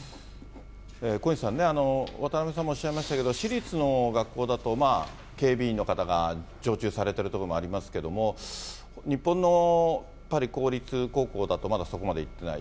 小西さんね、渡邉さんもおっしゃいましたけれども、私立の学校だと、警備員の方が常駐されてる所もありますけれども、日本のやっぱり公立高校だと、まだそこまでいってない。